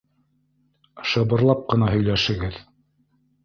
Шыбырлап ҡына һөйләшегеҙ.